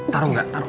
taruh gak taruh